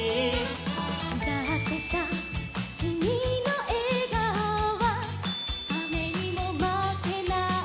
「だってさきみのえがおはあめにもまけない」